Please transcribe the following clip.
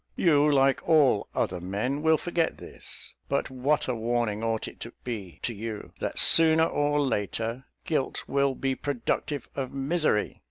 You, like all other men, will forget this; but what a warning ought it to be to you, that, sooner or later, guilt will be productive of misery!